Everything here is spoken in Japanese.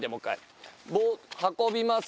運びます